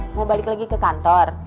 mau balik lagi ke kantor